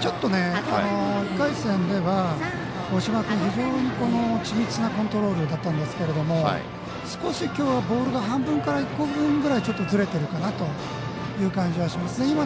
ちょっと、１回戦では五島君、非常に緻密なコントロールだったんですけど少しきょうはボールが半分から１個分くらいちょっとずれてるかなという感じがしますね。